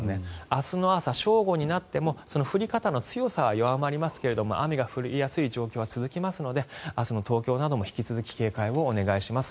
明日の朝、正午になっても降り方の強さは弱まりますが雨が降りやすい状況は続きますので明日も東京なども引き続き警戒をお願いします。